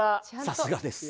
さすがです。